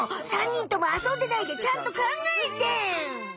３にんともあそんでないでちゃんと考えて！